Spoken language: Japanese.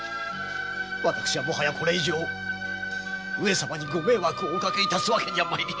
私はもはやこれ以上上様にご迷惑をおかけ致すわけには参りませぬ！